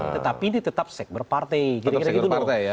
tetapi ini tetap sekber partai